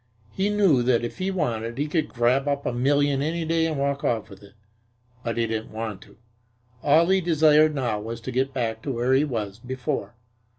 He knew that if he wanted to he could grab up a million any day and walk off with it, but he didn't want to. All he desired now was to get back to where he was before.